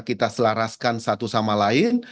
kita selaraskan satu sama lain